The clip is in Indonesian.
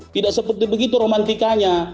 tidak seperti begitu romantikanya